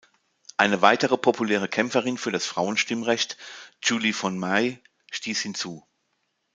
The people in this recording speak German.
Eine weitere populäre Kämpferin für das Frauenstimmrecht, Julie von May, stiess hinzu.